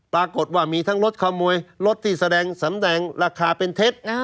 ปรากฏว่ามีทั้งรถขโมยรถที่แสดงสำแดงราคาเป็นเท็จ